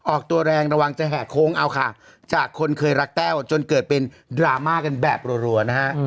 ออกตัวแรงระวังจะแห่โค้งเอาค่ะจากคนเคยรักแต้วจนเกิดเป็นดราม่ากันแบบรัวนะฮะ